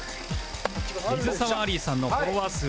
水沢アリーさんのフォロワー数は